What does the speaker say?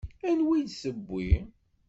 Anwa i d-tewwi?